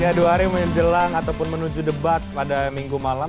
ya dua hari menjelang ataupun menuju debat pada minggu malam